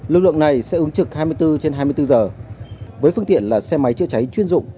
lực lượng này sẽ ứng trực hai mươi bốn trên hai mươi bốn giờ với phương tiện là xe máy chữa cháy chuyên dụng